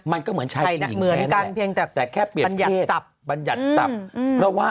มั่นก็เหมือนชายผู้หญิงแม้นแหละแต่แค่เปลี่ยนเพศปัญหาตรัพย์